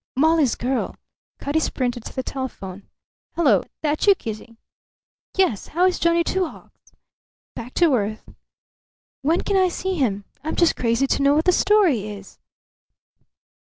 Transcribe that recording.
Molly's girl! Cutty sprinted to the telephone. "Hello! That you, Kitty?" "Yes. How is Johnny Two Hawks?" "Back to earth." "When can I see him? I'm just crazy to know what the story is!"